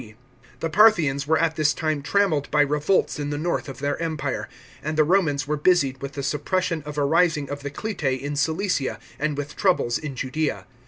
D.). The Parthians were at this time trammelled by revolts in the north of their empire, and the Romans were busied with the suppression of a rising of the Clitae in Cilicia, and with troubles in Judea.